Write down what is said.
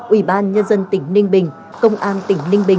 ủy ban nhân dân tỉnh ninh bình công an tỉnh ninh bình